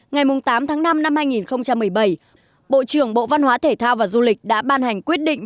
ngày tám tháng năm năm hai nghìn một mươi bảy bộ trưởng bộ văn hóa thể thao và du lịch đã ban hành quyết định